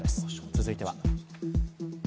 続いては。